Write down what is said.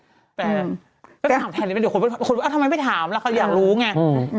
ไม่ถามแทนเดี๋ยวคนทำไมไม่ถามละเค้าอยากรู้ไง